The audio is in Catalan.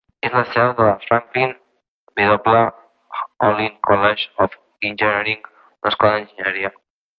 És la seu de la Franklin W. Olin College of Engineering, una escola d'enginyeria.